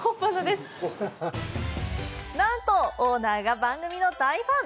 なんとオーナーが番組の大ファン！